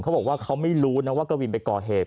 เขาบอกว่าเขาไม่รู้นะว่ากวินไปก่อเหตุ